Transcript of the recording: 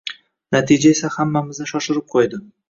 Natija esa hammamizni shoshirib qo`ydi